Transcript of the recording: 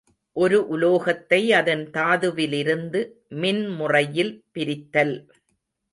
ஒரு உலோகத்தை அதன் தாதுவிலிருந்து மின்முறையில் பிரித்தல்.